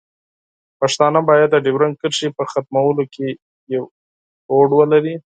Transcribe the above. پښتانه باید د ډیورنډ کرښې په ختمولو کې یو هوډ ولري.